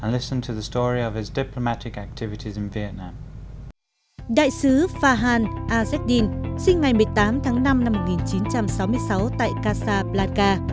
sinh ngày một mươi tám tháng năm năm một nghìn chín trăm sáu mươi sáu tại casablanca